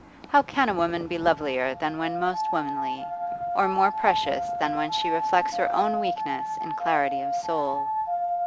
How can a woman be lovelier than when most womanly, or more precious than when she reflects her own weakness in clarity of soul?